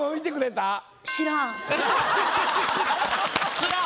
「知らん」。